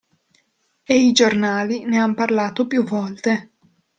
E i giornali ne han parlato più volte.